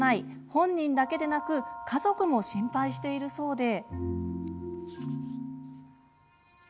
本人だけでなく家族も心配しているそうで。